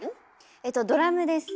えとドラムです。